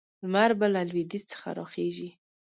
لمر به له لویدیځ څخه راخېژي.